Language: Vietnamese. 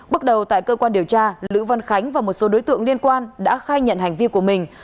bước đầu tại cơ quan điều tra lữ văn khánh và một số đối tượng liên quan đã khai nhận hành vi của mình